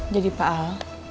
jadi pak al